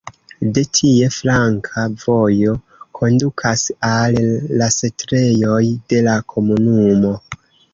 De tie flanka vojo kondukas al la setlejoj de la komunumo.